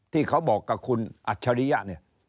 ที่เขาบอกกับคุณอัจฉริยะเนี่ย